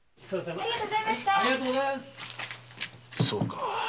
そうか。